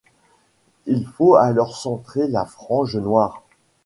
Il faut alors centrer la frange noire.